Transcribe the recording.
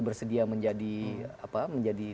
bersedia menjadi apa